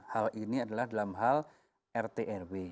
hal ini adalah dalam hal rtb